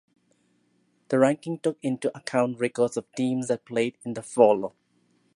The ranking took into account records of teams that played in the fall.